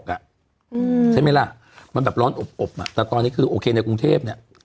ใช่ไหมล่ะมันแบบร้อนอบอ่ะแต่ตอนนี้คือโอเคในกรุงเทพเนี่ย